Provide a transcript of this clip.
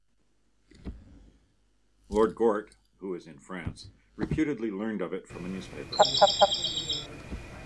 Lord Gort, who was in France, reputedly learned of it from a newspaper.